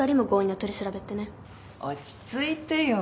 落ち着いてよ。